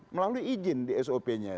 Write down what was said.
melalui izin di sop nya